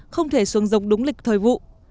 không thể xuống giống đúng lịch thời vụ